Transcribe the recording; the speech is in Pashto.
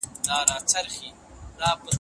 انا په خپلو تېرو کارونو فکر کاوه.